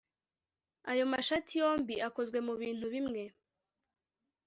Ayo mashati yombi akozwe mubintu bimwe